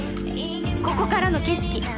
ここからの景色